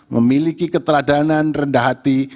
memiliki keteladanan rendah hati